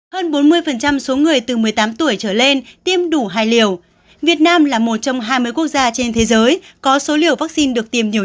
hơn bốn mươi số người từ một mươi tám tuổi trở lên tiêm đủ hài liều việt nam là một trong hai mươi quốc gia trên thế giới có số liều vaccine được tiêm nhiều